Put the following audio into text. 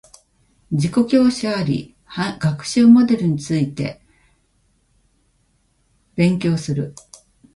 自己教師あり学習モデルについて勉強する